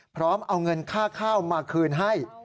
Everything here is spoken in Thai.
พร้อมเอาเงินค่าข้าวมาคืนให้